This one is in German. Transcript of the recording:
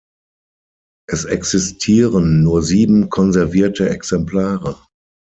Es existieren nur sieben konservierte Exemplare.